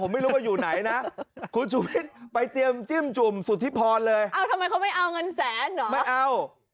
ไม่เอา